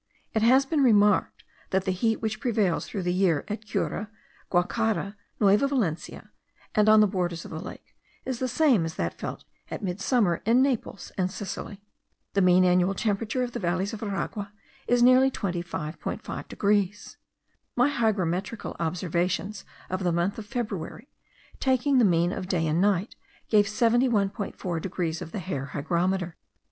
It has been remarked, that the heat which prevails throughout the year at Cura, Guacara, Nueva Valencia, and on the borders of the lake, is the same as that felt at midsummer in Naples and Sicily. The mean annual temperature of the valleys of Aragua is nearly 25.5 degrees; my hygrometrical observations of the month of February, taking the mean of day and night, gave 71.4 degrees of the hair hygrometer.